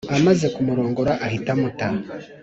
amaze kumurongora ahita amuta